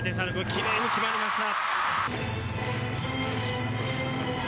きれいに決まりました。